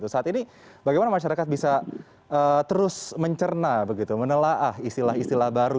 saat ini bagaimana masyarakat bisa terus mencerna begitu menelaah istilah istilah baru